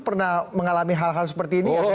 pernah mengalami hal hal seperti ini